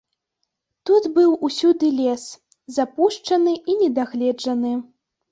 Тут быў усюды лес, запушчаны і недагледжаны.